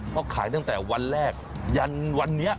เพราะขายตั้งแต่วันแรกยันวันนี้